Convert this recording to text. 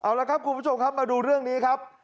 เอาละครับคุณผู้ชมครับมาดูเรื่องนี้ครับ